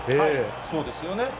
そうですよね。